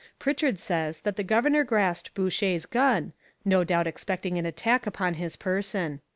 Pritchard says that the governor grasped Boucher's gun, no doubt expecting an attack upon his person.